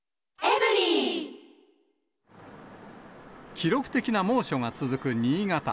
記録的な猛暑が続く新潟。